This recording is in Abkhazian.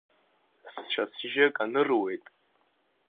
Сцәа-сжьы акы аныруеит…